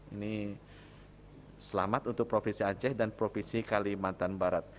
ini selamat untuk provinsi aceh dan provinsi kalimantan barat